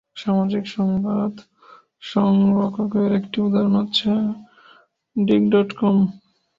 সামাজিক সংবাদ সংকলকের একটি উদাহরণ হচ্ছে ডিগ ডট কম।